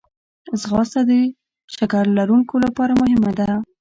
ځغاسته د شکر لرونکو لپاره مهمه ده